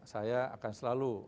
saya akan selalu